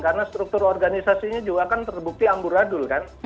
karena struktur organisasinya juga kan terbukti amburadul kan